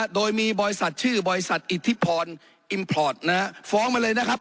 โดยมีบริษัทชื่อบริษัทอิทธิพรอิมพลตฟ้องมาเลยนะครับ